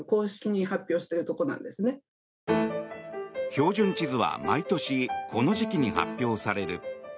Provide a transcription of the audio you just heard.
標準地図は毎年、この時期に発表される。